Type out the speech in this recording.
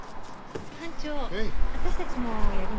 班長私たちもやりましょう。